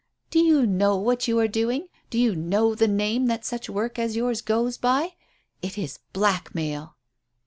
Do you know what you are doing? Do you know the name that such work as yours goes by? It is blackmail!"